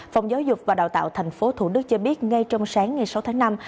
phòng giáo dục và đào tạo tp thủ đức cho biết ngay trong sáng ngày sáu tháng năm